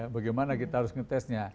bagaimana kita harus ngetesnya